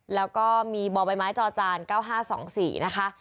แล้วก็มีบ่อใบไม้จอจาน๙๕๒๔นะคะ